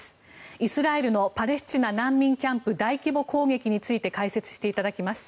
イスラエルのパレスチナ難民キャンプ大規模攻撃について解説していただきます。